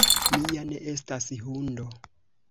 Mi ja ne estas hundo!